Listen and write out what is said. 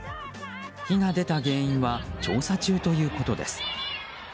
火が出た原因は調査中ということです。